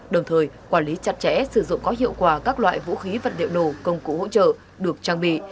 đồng thời quản lý chặt chẽ sử dụng có hiệu quả các loại vũ khí vật liệu nổ công cụ hỗ trợ được trang bị